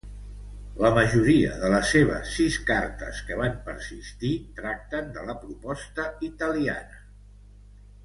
La majoria de les seves sis cartes que van persistir tracten de la proposta italiana.